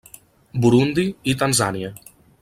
Burundi i Tanzània.